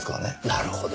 なるほど。